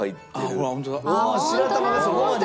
うわっ白玉がそこまで。